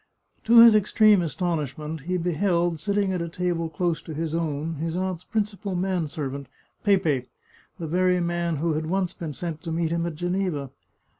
To his extreme astonishment he beheld, sitting at a table close to his own his aunt's principal man servant, Pepe, the very man who had once been sent to meet him at Geneva.